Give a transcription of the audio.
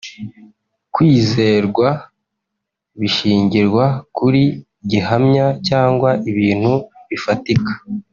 Kwizerwa bishingirwa kuri gihamya cyangwa ibintu bifatika